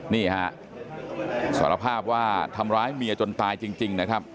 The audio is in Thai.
นี่ฮะสารภาพว่าทำร้ายเมียจนตายจริงนะครับ